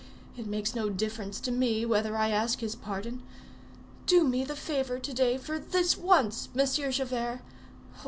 It makes no difference to me whether I ask his pardon. Do me the favor to day, for this once, Monsieur Javert.